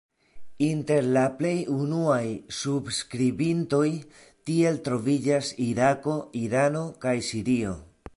Inter la plej unuaj subskribintoj tiel troviĝas Irako, Irano kaj Sirio.